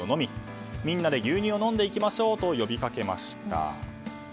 おいしそうに牛乳を飲みみんなで牛乳を飲んでいきましょうと呼びかけました。